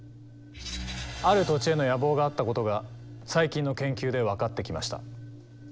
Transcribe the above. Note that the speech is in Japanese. ある土地への野望があったことが最近の研究で分かってきました。